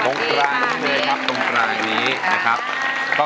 น้องคร่านไ้ครับ